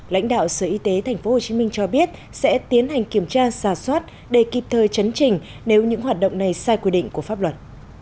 lãnh đạo sở y tế tp hcm cho biết sẽ tiến hành kiểm tra xà xoát để kịp thời chấn trình nếu những hoạt động này sai quy định của pháp luật